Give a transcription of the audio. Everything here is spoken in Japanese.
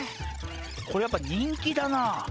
これやっぱ人気だな